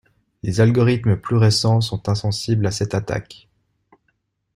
Les algorithmes plus récents sont insensibles à cette attaque.